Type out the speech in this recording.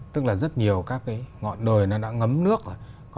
tức là rất nhiều các ngọn đồi đã ngấm nước